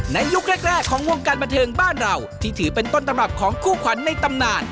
ยุคแรกของวงการบันเทิงบ้านเราที่ถือเป็นต้นตำรับของคู่ขวัญในตำนาน